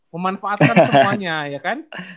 memanfaatkan semuanya ya kan